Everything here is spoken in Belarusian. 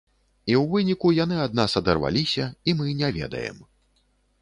І ў выніку яны ад нас адарваліся, і мы не ведаем.